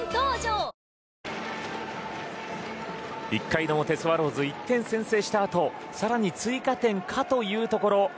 １回の表、スワローズ１点先制したあと更に追加点かというところ。